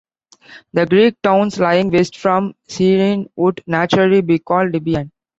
The Greek towns lying west from Cyrene would naturally be called Libyan.